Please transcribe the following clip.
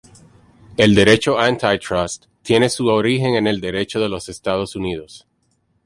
El derecho antitrust tiene su origen en el Derecho de los Estados Unidos.